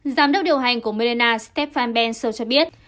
giám đốc điều hành của moderna stefan bensel cho biết